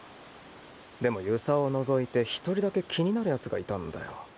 でも遊佐を除いて１人だけ気になる奴がいたんだよ。